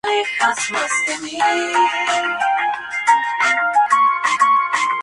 El álbum recibió una calificación de tres estrellas y media de cinco.